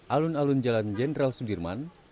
alun alun jalan jenderal sudirman